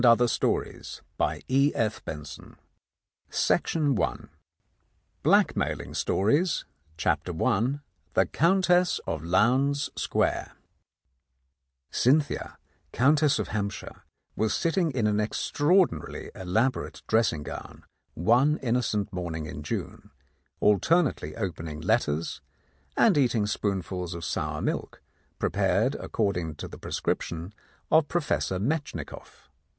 . 267 2. Philip's Safety Razor . 288 BLACKMAILING STORIES THE COUNTESS OF LOWNDES SQUARE And Other Stories THE COUNTESS OF LOWNDES SQUARE Cynthia, Countess of Hampshire, was sitting in an extraordinarily elaborate dressing gown one innocent morning in June, alternately opening letters and eat ing spoonfuls of sour milk prepared according to the prescription of Professor Metchnikoff.